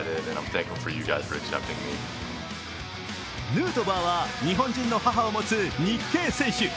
ヌートバーは日本人の母を持つ日系選手。